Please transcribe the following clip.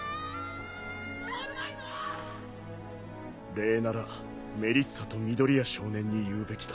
・礼ならメリッサと緑谷少年に言うべきだ。